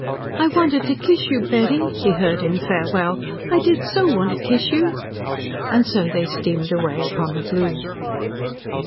"I wanted to kiss you, Betty," he heard in farewell. "I did so want to kiss you." And so they steamed away upon the blue.